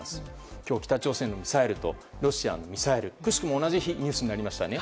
今日、北朝鮮のミサイルとロシアのミサイルがくしくも同じ日にニュースになりましたね。